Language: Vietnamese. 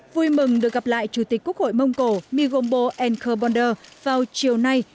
vui mừng được gặp lại chủ tịch quốc hội mông cổ migombo nkabonder vào chiều nay